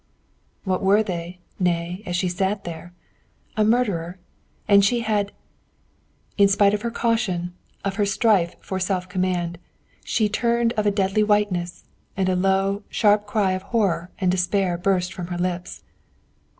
What were they, then, as she sat there? A murderer? And she had In spite of her caution, of her strife for self command, she turned of a deadly whiteness, and a low, sharp cry of horror and despair burst from her lips.